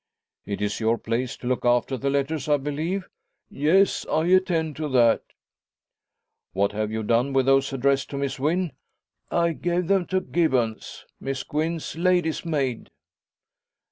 "It is your place to look after the letters, I believe?" "Yes; I attend to that." "What have you done with those addressed to Miss Wynn?" "I gave them to Gibbons, Miss Gwen's lady's maid."